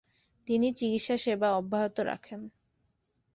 তিনি চিকিৎসা সেবা অব্যাহত রাখেন।